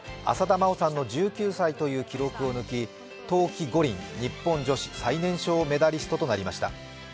浅田真央さんの１９歳という記録を抜き冬季五輪日本女子最年少メダリストとなりました。